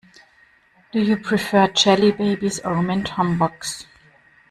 Do you prefer jelly babies or mint humbugs?